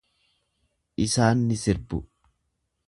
Isaan ni sirbu.